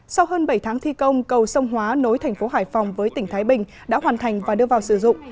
sau hơn bảy tháng thi công cầu sông hóa nối tp hải phòng với tp thái bình đã hoàn thành và đưa vào sử dụng